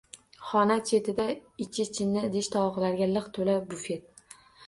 Xona chetida ichi chinni idish-tovoqlarga liq toʼla bufet.